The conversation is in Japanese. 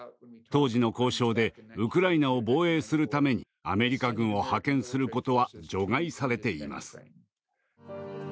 当時の交渉でウクライナを防衛するためにアメリカ軍を派遣することは除外されています。